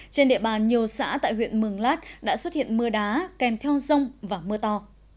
trên địa bàn nhiều xã tại huyện mường lát đã xuất hiện mưa đá kèm theo rông và mưa to